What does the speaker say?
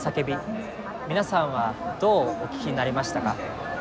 皆さんはどうお聞きになりましたか？